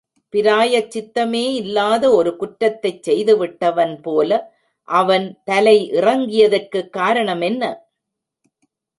பிராயச் சித்தமே இல்லாத ஒரு குற்றத்தைச் செய்துவிட்டவன் போல அவன் தலை இறங்கியதற்குக் காரணம் என்ன?